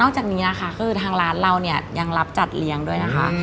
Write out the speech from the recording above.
จากนี้นะคะคือทางร้านเราเนี่ยยังรับจัดเลี้ยงด้วยนะคะ